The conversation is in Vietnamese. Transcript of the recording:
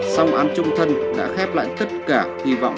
song án trung thân đã khép lại tất cả hy vọng